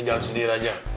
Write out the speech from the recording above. saya jangan sedih raja